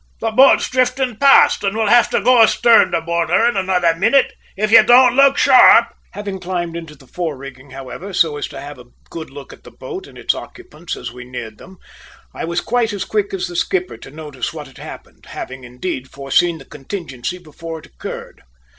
The boat's drifting past, and we'll have to go astern to board her in another minute, if you don't look sharp!" Having climbed into the fore rigging, however, so as to have a good look at the boat and its occupants as we neared them, I was quite as quick as the skipper to notice what had happened, having, indeed, foreseen the contingency before it occurred.